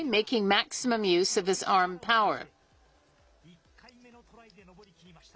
４回目のトライで登り切ります。